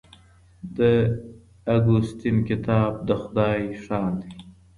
د اګوستین کتاب د خدای ښار دی.